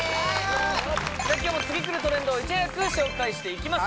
さあ今日も次くるトレンドをいち早く紹介していきます